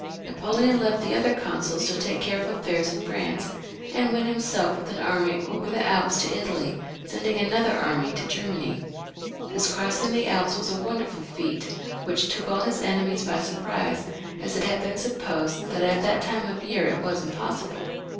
Napoleon left the other consuls to take care of affairs in France, and went himself with an army over the Alps to Italy, sending another army to Germany. His crossing the Alps was a wonderftd feat, which took all his enemies by surprise, as it had been supposed that at that time of year it was impossible.